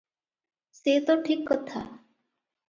ସେ ତ ଠିକ କଥା ।